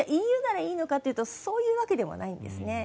ＥＵならいいのかというとそういうわけでもないんです。